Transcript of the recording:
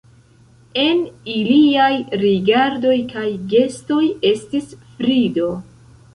En iliaj rigardoj kaj gestoj estis frido.